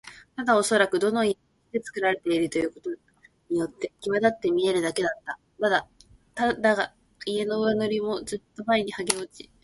ただおそらくどの家も石でつくられているということによってきわだって見えるだけだった。だが、家々の上塗りもずっと前にはげ落ち、